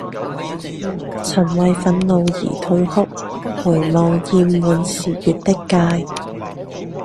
曾為憤怒而痛哭回望厭悶時越的界